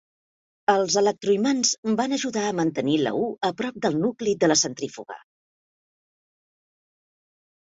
Els electroimants van ajudar a mantenir la U a prop del nucli de la centrífuga.